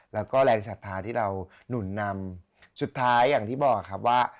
แล้วก็แรงศรัทธาที่เราหนุนนำสุดท้ายอย่างที่บอกครับว่า